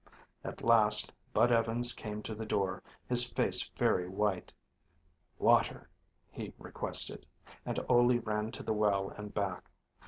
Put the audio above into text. At last Bud Evans came to the door, his face very white. "Water," he requested, and Ole ran to the well and back.